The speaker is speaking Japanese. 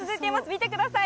見てください。